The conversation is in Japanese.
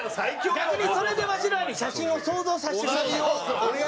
逆にそれでわしらに写真を想像させてください。